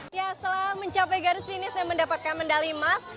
setelah mencapai garis finish dan mendapatkan mendali emas